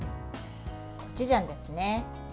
コチュジャンですね。